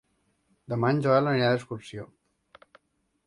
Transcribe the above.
Demà en Joel anirà d'excursió.